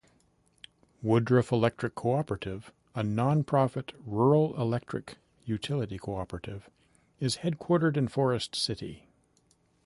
Woodruff Electric Cooperative, a non-profit rural electric utility cooperative, is headquartered in Forrest City.